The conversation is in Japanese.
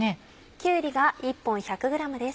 きゅうりが１本１００ｇです。